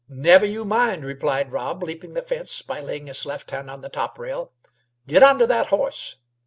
"Never you mind!" replied Rob, leaping the fence by laying his left hand on the top rail. "Get on to that horse."